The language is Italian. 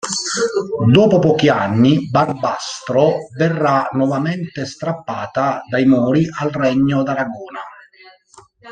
Dopo pochi anni Barbastro verrà nuovamente strappata dai Mori al regno d'Aragona.